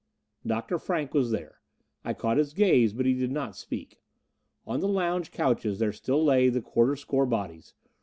Dr. Frank was here. I caught his gaze, but he did not speak. On the lounge couches there still lay the quarter score bodies.